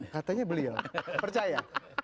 katanya beliau percaya